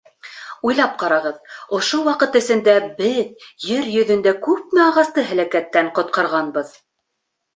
Уйлап ҡарағыҙ, ошо ваҡыт эсендә беҙ ер йөҙөндә күпме агасты һәләкәттән ҡотҡарғанбыҙ.